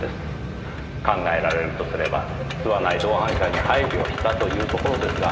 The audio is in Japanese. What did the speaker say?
考えられるとすれば吸わない同伴者に配慮したというところですが。